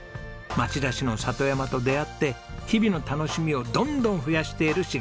町田市の里山と出会って日々の楽しみをどんどん増やしている茂さん。